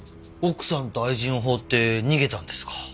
奥さんと愛人を放って逃げたんですか？